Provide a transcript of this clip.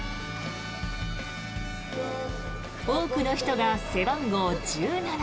多くの人が背番号１７